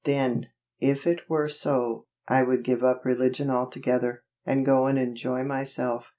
Then, if it were so, I would give up religion altogether, and go and enjoy myself.